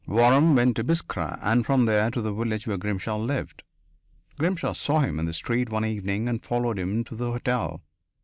Waram went to Biskra and from there to the village where Grimshaw lived. Grimshaw saw him in the street one evening and followed him to the hotel.